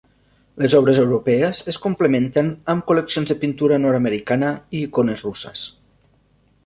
Les obres europees es complementen amb col·leccions de pintura nord-americana i icones russes.